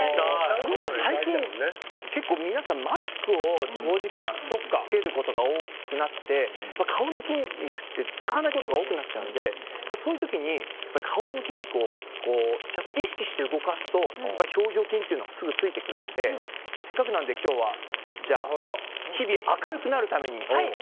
最近、結構皆さんマスクを長時間着けることが多くなって顔の筋肉って使わないことが多くなっちゃうのでそういう時に、顔の筋肉を意識して動かすと表情筋がすぐついてくるのでせっかくなので今日は日々、明るくなるために。